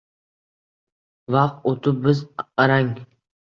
Vaqt o‘tib, biz arang